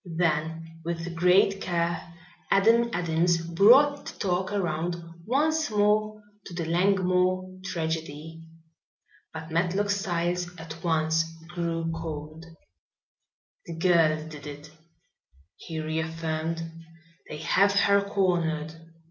Then with great care Adam Adams brought the talk around once more to the Langmore tragedy. But Matlock Styles at once grew cold. "The girl did it," he reaffirmed. "They have her cornered.